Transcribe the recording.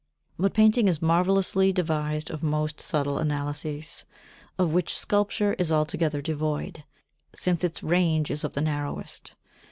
But painting is marvellously devised of most subtle analyses, of which sculpture is altogether devoid, since its range is of the narrowest.